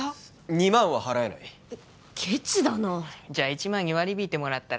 ２万は払えないケチだなじゃ１万に割り引いてもらったら？